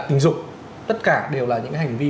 tình dục tất cả đều là những hành vi